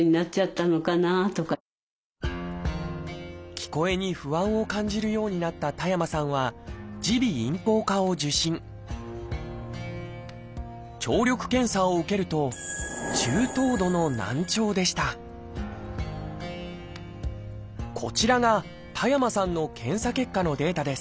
聞こえに不安を感じるようになった田山さんは耳鼻咽喉科を受診聴力検査を受けるとこちらが田山さんの検査結果のデータです。